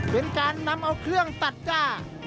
เป็นการนำเอาเครื่องตัดย่า